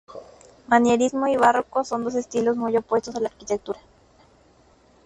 Manierismo y Barroco son dos estilos muy opuestos de la arquitectura.